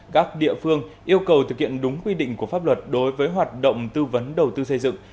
các địa phương yêu cầu thực hiện đúng quy định của pháp luật đối với hoạt động tư vấn đầu tư xây dựng